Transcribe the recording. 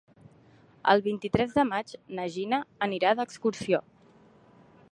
El vint-i-tres de maig na Gina anirà d'excursió.